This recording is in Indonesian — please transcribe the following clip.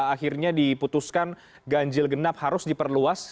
akhirnya diputuskan ganjil genap harus diperluas